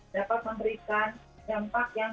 mari kita bersama sama mendukung dan saling bersinergi